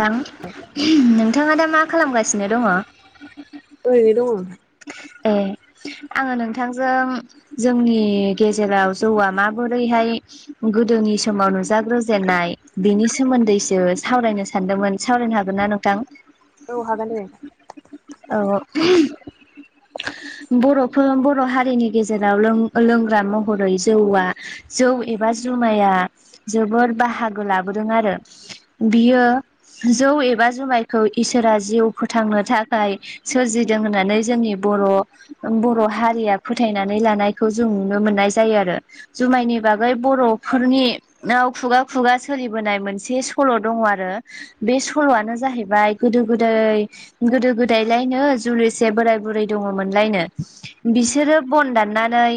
थां नोंथाङा दा मा खालामगासिनो दङ? ओरैनो दङ। ए आङो नोंथांजों जोंनि गेजेराव जौआ माबोरैहाय गोदोनि समाव नुजाग्रोजेननाय बेनि सोमोन्दैसो सावरायनो सानदोंमोन सावरायनो हागोनना नोंथां? औ हागोन दे औ औ बर'फोर बर' हारिनि गेजेराव लोंग्रा महरै जौआ जौ एबा जुमाया जोबोर बाहागो लाबोदों आरो। बियो जौ एबा जुमायखौ इसोरा जिउ फोथांनो था थाय सोरजिदों होननानै जोंनि बर' बर' हारिया फोथायनानै लानायखौ जों नुनो मोननाय जायो आरो जुमायनि बागै बर'फोरनि औ खुगा खुगा सोलिबोनाय मोनसे सल' दङ आरो बे सल'आनो जाहैबाय गोदो गोदाय गोदो गोद दायलायनो जुलिसे बोराय बुरै दङ मोनलायनो बिसोरो बन दाननानै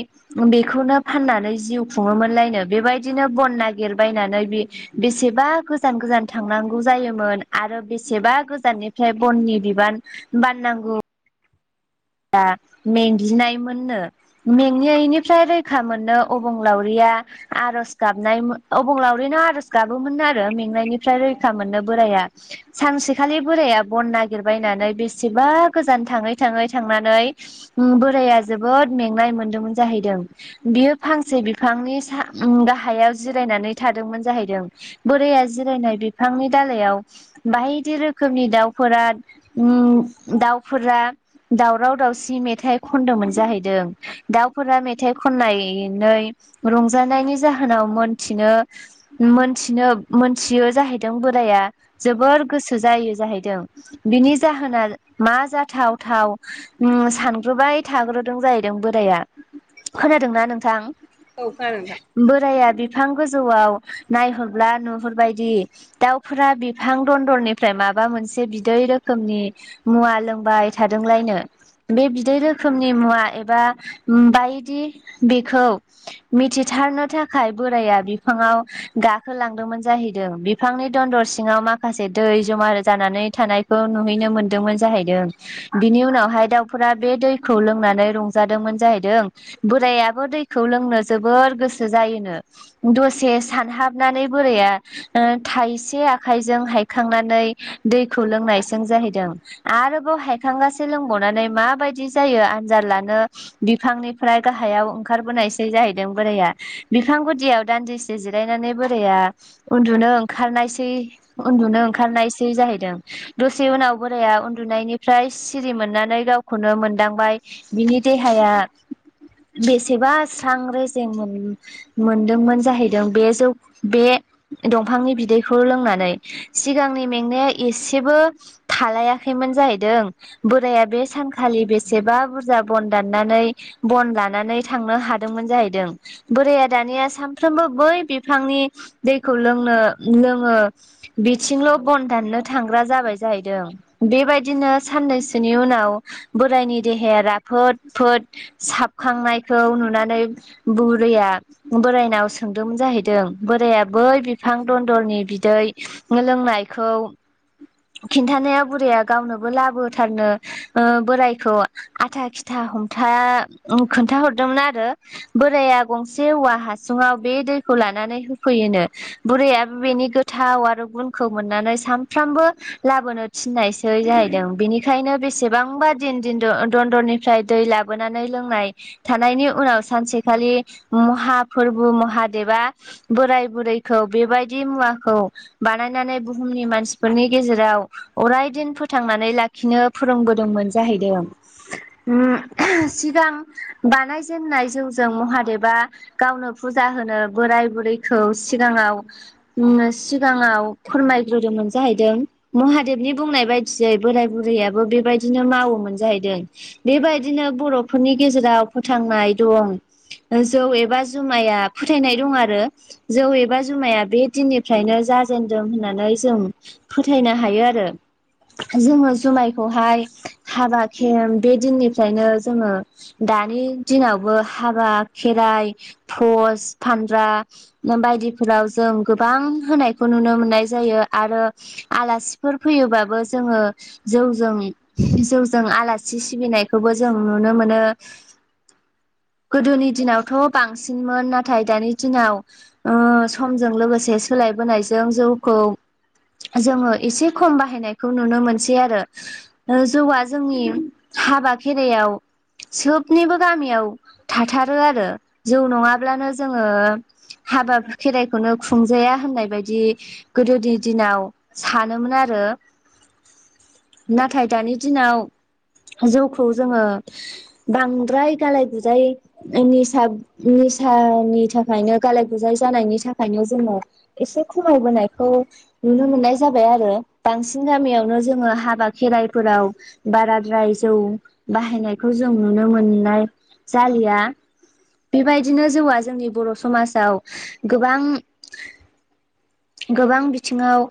बेखौनो फाननानै जिउ खुङोमोनलायनो बेबायदिनो बन नागिरबायनानै बे बेसेबा गोजान गोजान थांनांगौ जायोमोन आरो बेसेबा गोजाननिफ्राय बननि बिबान बाननांगौ दा मेंग्लिनायमोननो मेंनायनिफ्राय रैखा मोननो अबंलावरिया आर'ज गाबनाय अबंलावरिनो आर'ज गाबोमोन आरो मेंनायनिफ्राय रैखा मोननो बोराया सानसेखालि बोराइाया बन नागिरबायनानै बेसेबा गोजान थाङै थाङै थांनानै बोराया जोबोद मेंनाय मोनदोंमोन जाहैदों बियो फांसे बिफांनि सा गाहायाव जिरायनानै थादोंमोन जाहैदों बोराया जिरायनाय बिफांनि दालायाव बायदि रोखोमनि दाउफोरा उम दाउफोरा दावराव दावसि मेथाइ खनदोंमोन जाहैदों दाउफोरा मेथाइ खनानै रंजानायनि जाहोनाव मोनथिनो मोनथिनो मोनथियो जाहैदों बोराया जोबोर गोसो जायो जाहैदों बिनि जाहोना मा जाथाव गो थाव सानग्रोबाय थाग्रोदों जाहैदों बोराया खोनादोंना नोंथां औ खोनादों नोथां बोराया बिफां गोजौआव नायहरब्ला नुहरबायदि दाउफोरा बिफां दन्दरनिफ्राय माबा मोनसे बिदै रोखोमनि मुवा लोंबाय थादोंलायनो बे बिदै रोखोमनि मुवा एबा बायदि बेखौ मिथिथारनो थाखाय बोराया बिफाङाव गाखोलांदोंमोन जाहैदों बिफांनि दन्दर सिङाव माखासे दै जमा जानानै थानायखौ नुहैनो मोनदोंमोन जाहैदों बिनि उनावहाय दाउफोरा बे दैखौ लोंनानै रंजादोंमोन जाहैदों बोरायाबो दैखौ लोंनो जोबोर गोसो जायोनो दसे सानहाबनानै बोरैया थाइसे आखाइजों हायखांनानै दैखौ लोंनायजों जाहैदों आरोबाव हायखांगासे लोंबावनानै माबायदि जायो आनजाद लानो बिफांनिफ्राय गाहायाव ओंखारबोनायसै जाहैदों बोराइआ बिफां गुदियाव दान्दिसे जिरायनानै बोराइआ उन्दुनो ओंखारनायसै उन्दुनो ओंखारनायसै जाहैदों दसे उनाव बोराया उन्दुनायनि फ्राय सिरि मोननानै गावखौनो मोनदांबाय बिनि देहाया बेसेबा स्रां रो जेंमोन मोनदोंमोन जाहैदों बे जौ बे दंफांनि बिदैखौ लोंनानै सिगांनि मेंनाया एसेबो थालायाखैमोन जाहैदों बोराइाया बे सानखालि बेसेबा बुरजा बन दाननानै बन लानानै थांनो हादोंमोन जाहैदों बोरया दानिया सानफ्रोमबो बै बिफांनि दैखौ लोंनो लोङो बिथिंल' बन दाननो थांग्रा जाबाय जाहैदों बेबायदि बिदिनो साननैसोनि उनाव बोरायनि देहाया राफोद फोद साबखांनायखौ नुनानै बुरैया बोरायनाव सोंदोंमोन जाहैदों बोराइाया बै बिफां दन्दलनि बिदै लोंनायखौ खिन्थानाया बुरैया गावनोबो लाबोथारनो बोरायखौ आथा खिथा हमथा खोन्थाहरदोंमोन आरो बोराया गंसे औवा हासुङाव बे दैखौ लानानै होफैयोनो बुरैआ बेनि गोथाव आरो गुनखौ मोननानै सानफ्रामबो लाबोनो थिननायसै थै जाहैदों बेनिखायनो बेसेबांबा दिन दन्दरनिफ्राय दै लाबोनानै लोंनाय थानायनि उनाव सानसेखालि महा फोरबो महादेबा बोराय बुरैखौ बेबायदि मुवाखौ बानायनानै बुहुमनि मानसिफोरनि गेजेराव अरायदिन फोथांनानै लाखिनो फोरोंबोदोंमोन जाहैदों सिगां बानायजेनाय जौजों महादेबा गावनो फुजा होनो बोराय बुरैखौ सिगाङाव सिगाङाव फोरमायग्रोदोंमोन जाहैदों महादेबनि बुंनाय बायदि यै बोराय बुरैयाबो बेबायदिनो मावोमोन जाहैदों बेबायदिनो बर'फोरनि गेजेराव फोथांनाय दं जौ एबा जुमाया फोथायनाय दं आरो जौ एबा जुमाया बे दिननिफ्रायनो जाजेनदों होननानै जों फोथायनो हायो आरो जोङो जुमायखौहाय हाबा खेम बे दिननिफ्रायनो जोङो दानि दिनावबो हाबा खेराइ फस फानग्रा बायदिफोराव जों गोबां होनायखौ नुनो मोननाय जायो आरो आलासिफोर फैयोबाबो जोङो जौजों जौजों आलासि सिबिनायखौबो जों नुनो मोनो गोदोनि दिनावथ' बांसिनमोन नाथाय दानि दिनाव समजों लोगोसे सोलायबोनायजों जौखौ जोङो एसे खम बाहायनायखौ नुनो मोनसै आरो जौआ जोंनि हाबा खेराइयाव सोबनिबो गामियाव थाथारो आरो जौ नङाब्लानो जोङो हाबा खेराइखौनो खुंजाया होननाय बायदि गोदोनि दिनाव सानोमोन आरो नाथाय दानि दिनाव जौखौ जोङो बांद्राय गालाय गुजाय निसा निसानि थाखायनो गालाय गुजाय जानायनि थाखायनो जोङो एसे खमायबोनायखौ नुनो मोननाय जाबाय आरो बांसिन बिथिं गामियावनो जोङो हाबा खेराइफोराव बाराद्राय जौ बाहायनायखौ जों नुनो मोननाय जालिया बेबायदिनो जौआ जोंनि बर' समाजाव गोबां गोबां बिथिङाव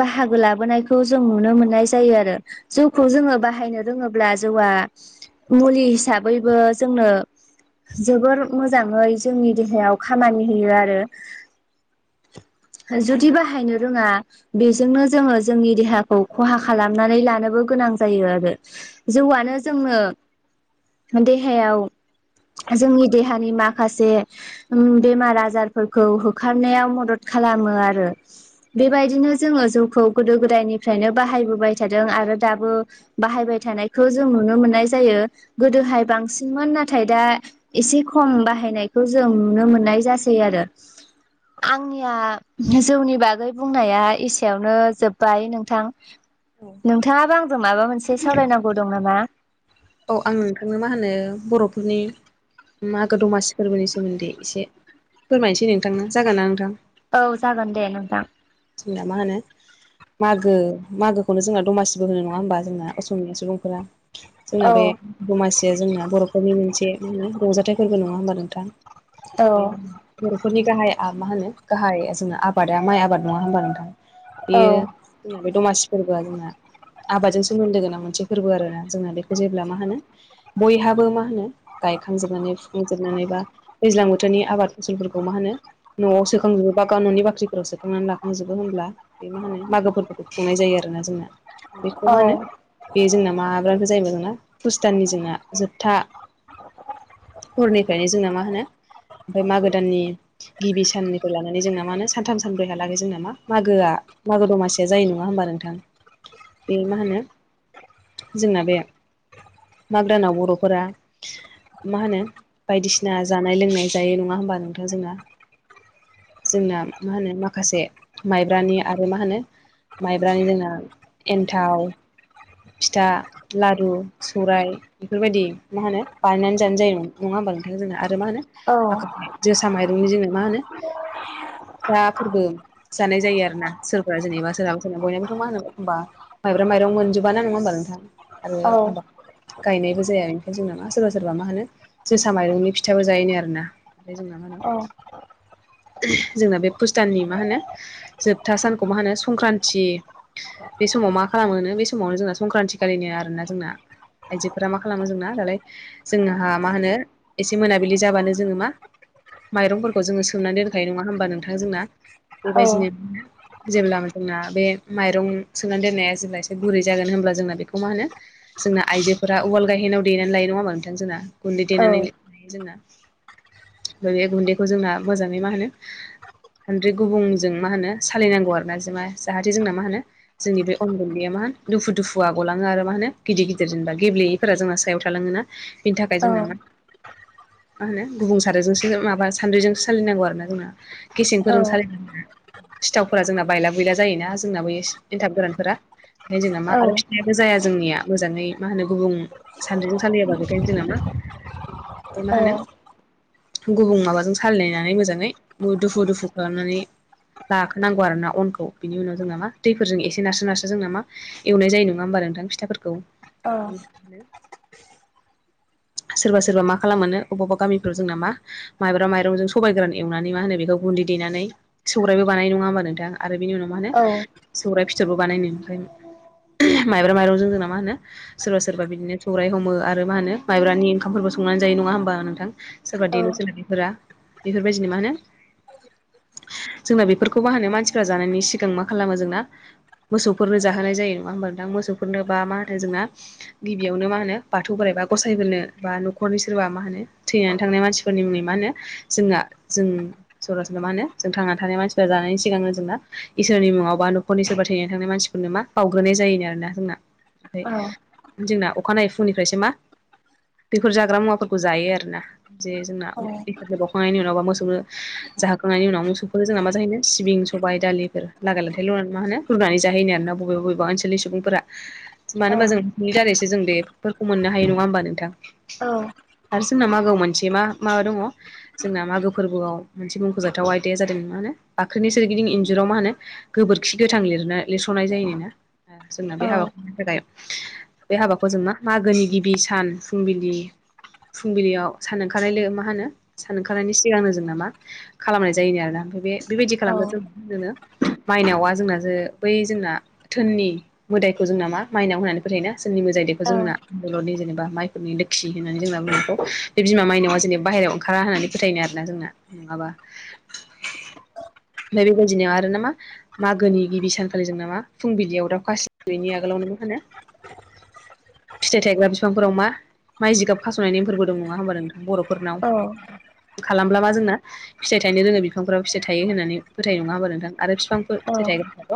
बाहागो लाबो लाबोनायखौ जों नुनो मोननाय जायो आरो जौखौ जोङो बाहायनो रोङोब्ला जौआ मुलि हिसाबैबो जोंनो जोबोर मोजाङै जोंनि देहायाव खामानि होयो आरो जुदि बाहायनो रोङा बेजोंनो जोङो जोंनि देहाखौ खहा खालामनानै लानोबो गोनां जायो आरो जौआनो जोंनो देहायाव जोंनि देहानि माखासे बेमार आजारफोरखौ होखारनायाव मदद खालामो आरो बेबायदिनो जोङो जौखौ गोदो गोदायनिफ्रायनो बाहायबोबाय थादों आरो दाबो बाहायबाय थानायखौ जों नुनो मोननाय जायो गोदोहाय बांसिनमोन नाथाय दा एसे खम बाहायनायखौ जों नुनो मोननाय जासै आरो आंनिया जौनि बागै बुंनाया एसेयावनो जोब्बाय नोंथां नोंथाङाबो आंजों माबा मोनसे सावरायनांगौ दं नामा औ आं नोंथांनो मा होनो बर'फोरनि मागो दमासि फोरबोनि सोमोन्दै एसे फोरमायनोसै नोंथांनो जागोन ना नोंथां औ जागोन दे नोंथां जोंना मा होनो मागो मागोखौनो जोंना दमासिबो होनो नङा होनोमबा जोंना असमिया सुबुंफोरा। जोंना बे दमासिया जोंना बर'फोरनि मोनसेो रंजाथाइ फोरबो नङा होमबा नोंथां। बे बर'फोरनि गाहाय मा होनो गाहाय जोंना आबादा माइ आबाद नङा होनबा नोंथां। बेयो जोंना बे दमासि फोरबोआ जोंना आबादजों सोमोन्दो गोनां मोनसे फोरबो आर ना जोंना बेखौ जेब्ला मा होनो बयहाबो मा होनो गायखांजोबनानै फुखुंजोबनानै बा दैज्लां बोथोरनि आबाद फसलफोरखौ मा होनो न'आव सोखांजोबो बा गाव न'नि बाख्रिफोराव सोखांनानै लाख थांजोबो होनब्ला बे मा होनो मागो फोरबोखौ खुंनाय जायो आरोना जोंना बेखौ औ मा होनो बे जोंना माबाब्राफोर जायोबाय जोंना भुस्टाननि जोंना जोबथा हरनिफ्रायनो जोंना मा होनो ओमफफ्राय मागो दाननि गिबि साननिफ्राय लानानै जोंना मा होन सानथाम सान्रैहालागै जोंना मागोआ मागो दमासिया जायो नङा होमबा नोंथां बे मा होनो जोंना बे मागदानाव बर'फोरा मा होनो बायदिसिना जानाय लोंनाय जाय नङा होमबा नोंथां जोंना जोंना मा होनो माखासे माइब्रानि आरो मा होनो माइब्रानि जोंना एन्थाव। फिथा लारु सौराय। बेफोरबायदि मा होनो बानायनानै जानाय जायो नङा होमबब्लाा नोंथां जोंना आरो मा होनो औ माखासे जोसा माइरंनि जोो मा होनो फिसा फोरबो। जानाय जायो आरोना सोरबा जेनेबा सोरहाबा सोरबा बयनिबोथ' मा होनो एखबा माइब्रा माइरं मोनजोबााना नङा होमबा नोंथां आरो औ एखमबा गायनायबो जाया ओनिखायनो जोंनाामा सोरबा सोरबा मा होनो जोसा माइरंनि फिथाबो जायो आरोना। ओमफ्राय जोंना मा होनो औ जोंना बे फुस्ताननि मा होनो जोबथा सानखौ मा होनो संक्रान्ति बे समाव मा खालामोोनो बे समावनो जोंना संक्रान्ति खालिनो आरोना जोंना आइजोफोरा मा खालामो जोंना दालाय जोंनाहा मा होनो एसे मोनाबिलि जाबानो जोङो मा? माइरंफोरखौ जोङो सोमनानै दोनखायो नङा होमबा नोंथांा जोंना औ बेबायदिनो जेब्ला जोंना बे माइरं सोनानै दोननाया जेब्ला एसे गुरै जागोन होनोमब्ला जोंना बेखौ मा होनो जोंना आइजोफोरा उवाल गायेनाव देनानै लायो नङा होनोमा नोंथां जोंना गुन्दै औ देनानै। फ्राय बे गुन्दैखौ जोंना मोजाङै मा होनो हानद्रे गुबुंजों मा होनो सालायनांगौ आरोोना जों जाहाथे जोंना मा होनो जोंनि बे अन्दगनैया मा होनो दुफु दुफु आग'लाङो मा होन गिदिर गिदिर जेनबा गेलेया फोर जोंहा सायाव थालाङोना बिनि थाखाय जोंना मा मा होनो गुबुं सारजोंसो माबा सान्द्रिजोंसो सालिनांगौ आरोोना जोंना औ गेसेंफोरजों सालि सिथावफोरा जोंना बायला बुला जायोना जोंना बै एन्थाब गोरानफोरा निज नामा आ औ जाया जोंनिया मोजाङै मा होनो गुबुं सानद्रिजों साललियाबा बेखायनो जोंना मा मा औ होनो गुबुं माबाजों साललायनानै मोजाङै दुफु दुफु खालामनानै लाखोनांगौ आर ना अनखौ बिनि उनाव जोंना मा दैफोरजों एसे नारसो नार्र नामा एवनाय जायो नङा होमबा नोंथां फिथाफोरखौ। अ सोरबा सोरबा मा खालाम मोनो बबेावबा गामिफ्राव जोंना मा। माइब्रा माइरंजों सबबाय गोरान एवनानै मा होनो बेखौ गुन्दै देनानै। सौरायाइबो बानायनाय नङा होमबा नोंथां आरो बिनि उनाव मा होनो औ सौराइ फिथरबो बानायनो ओमफ्राय। माइब्रा माइरंजों जोंना मा होनो सोरबा सोरबा बिदिनो सौराइ हमो आरो मा होनो। माइब्रानि ओंखामफोरबो संनानै जायो नङा होमबा नोंथां सोरबा औ दनोसैा बेफोरा बेफोरबायदिनो मा होनो। जोंना बेफोरखौ बाहायो मानसिफ्रा जानायनि सिगां मा खालामो जोंना। मोसौफोरनो जाहोनाय जायो नङा होमबा दां मोसौफोरनो बा मा होनो जोंना गिबियावनो मा होनो बाथौ बोराइबा गसायबोनो बा न'खरनि सोरबा मा होनो थैनानै थांनाय मानसिफोरनि मुङै मा होनो। जोंहा जों सरासनो मा होनो जों थांनानै थानाय मानसिफोरा्रा जानायनि सिगांनो जोंना इसोरनि मुङाव बा न'खरनि सोरबा थैनानै थानाय मानसिफोरनो मा बावग्रोनाय जायोनो आरोना जोंना ओमफ्राय जोंना अखानायै फुंनिफ्रायसो मा बेफोर जाग्रा मुवाफोरखौ जायो आरो ना जे जोंना एसे बावखांनायनि उनाव बा मोसौ जाहोखांनायनि उनाव मोसौफोर जोंना मा जाहैनो सिबिं सबायाइ दालिफोर लागाय लाथायल' मा होनो रुरनानै जाहैनो आर ना बबेबा बबेबा ओनसोलनि सुबुंफोरा मानो होनोमबा जों नोंनि दारैसो जों बेफोरखौ मोननो हायो नङा होमबा नोंथां। आरो जोंनााव मागावआव मोनसे मा माबा दङ। जोंना मागो फोरबोआव मोनसे मुंख'जाथाव आयदाया जादों मा होनो बाख्रिनि सोरगिदिं इन्जुराव मा होनो गोबोरखि गोथां लिरना लिरस'नाय जायोना। जोंना बे हाबाफोरनि थाखाय बे हाबाखौ जोंना मागोनि गिबि सान फुंबिलि फुंबिलियाव सान ओंखारनायल मा होनो सान ओंखारनायनि सिगांनो जों नामा? खालामनाय जायोनो आरोना बे बेबायदि खालामो जों माइनावा जोंना जे बै जोंना धोननि मोदखौ जोंना मा माइनाव होननानै फोथायोना सोरोंनि मोजाइ दैखौ जोंना आलनि जेनेबा माइ नि लोखि होननानै जोंना बुंखौ बे बिमा माइनावआ जेनब बाहेरायाव ओंखारा होननानै फोथायो आरोना जोंना नङाबा [unintelligible] बे बेबायदिनो आरो नामा मागोनि गिबि सानखालि ज नामा फुंबिलियाव दा खासि गयैनि आगोलावनो मा फानो। फिथायाइ थायग्रा बिफांफोराव मा माइ जिगाब खास'नाय नेमफोरबो दं नङा होमबा नोंथां बर'फोरनाव खालामब्ला मा जोंना फिथाइ थायनो रोङो बिफांफोराव फिथाइ थायो होननानै फोथाय नङा होमबा नोंथां आरो बिफांफोर फिथाइ थायग्राथ'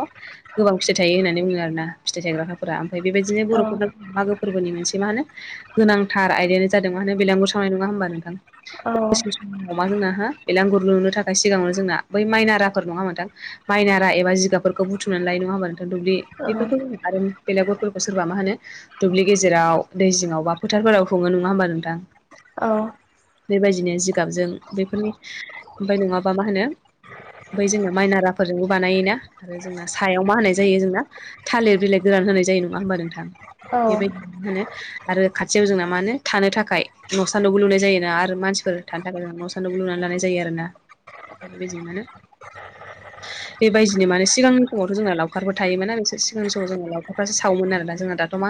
गोबां फिथाइ थायो होननानै आरोना फिथाइ थायग्रा ओमफ्राय बेबायदिनो बर'फोरनो मागो फोरबोनि मोनसे मा होनो गोनांथार आदायानो जादों माने बेलागुर संनाय नङा होमबा नोंथां? औ। अमा जोंना हो बेला गुर लुनो थाखाय सिगाङावनो जोंना बै माइना राफोर नङा होनबा नोंथां। मायनार एबा जिगाबफोरखौ बुथुमनानै लायो नङा होमबा नोंथां? दुब्लि बेफोरखौ जोङ आरो बेलागरफोरखौ सोरबा मा होनो दुब्लि गेजेराव दै जिङावबा फोथारफोराव सङो नङा होमबा नोंथां। औ। बेबायदिनो जिगाबजों बेफोरनि ओमफ्राय नङाबा मा होनो बमफ्राय जोंना माइ नाराफोरजोंबो बानायोना आरो जोंना सायाव मा होनाय जायो जोंना थालिर बिलाइ गोरान होनाय जायो नङा होमबा नोंथां औ औ बेबायदि होनो आरो। खाथियाव जोंना मानो थानो थाखाय न' सान्ानावबो लुनाय जायो ना आरो मानसिफोर थानो थाखाय न' सान्नोावबो लुनानै लानाय जायो आरो ना। बे जोंनानो [inaudible] बेबायदिनो माने सिांनि समावथ' जोंना लावखारफोर थायोमोना बिसोर सिगां समावोङो लावखारफ्रासोावोमोनाोों दाथ' मा